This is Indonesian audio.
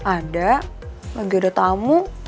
ada lagi ada tamu